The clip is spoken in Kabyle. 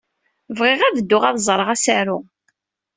Bɣiɣ ad dduɣ ad ẓreɣ asaru.